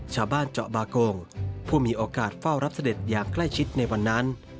ชาวบ้านเจาะบาโกงผู้มีโอกาสเฝ้ารับเสด็จอย่างใกล้ชิดในวันนั้น